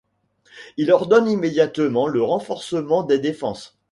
Il ordonne immédiatement le renforcement des défenses.